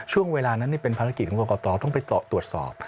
ช่วงเวลานั้นเป็นภารกิจของกรกตต้องไปตรวจสอบ